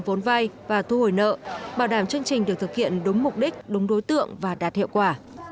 hồi nợ bảo đảm chương trình được thực hiện đúng mục đích đúng đối tượng và đạt hiệu quả